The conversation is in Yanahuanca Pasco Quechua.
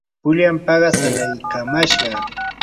pullan paqas alaykamashqaa.